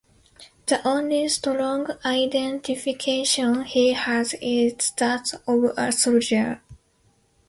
The only strong identification he has is that of a soldier.